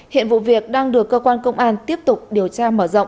hiện vụ việc đang được cơ quan công an tiếp tục điều tra mở rộng